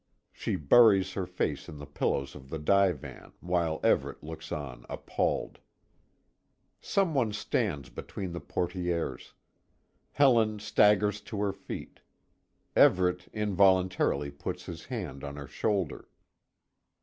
She buries her face in the pillows of the divan, while Everet looks on appalled. Some one stands between the portières. Helen staggers to her feet. Everet involuntarily puts his hand on her shoulder.